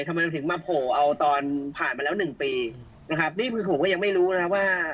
ทำไมถึงมาโผล่เอาตอนผ่านมาแล้วหนึ่งปีนะครับนี่คือผมก็ยังไม่รู้นะครับว่า